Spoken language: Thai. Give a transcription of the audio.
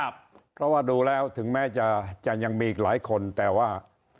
เพราะว่าดูแล้วถึงแม้จะยังมีอีกหลายคนแต่ว่า